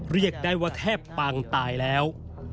เรียกได้ว่าแทบปางตายแล้ว